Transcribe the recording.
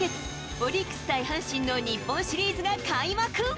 オリックス対阪神の日本シリーズが開幕。